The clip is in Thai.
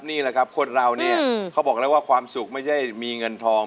นี่แหละครับคนเราเนี่ยเขาบอกแล้วว่าความสุขไม่ใช่มีเงินทอง